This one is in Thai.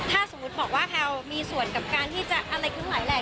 ถ้าสมมุติบอกว่าแพลวมีส่วนกับการที่จะอะไรทั้งหลายแหละ